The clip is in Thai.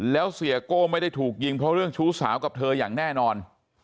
แล้วเสียโก้ไม่ได้ถูกยิงเพราะเรื่องชู้สาวกับเธออย่างแน่นอน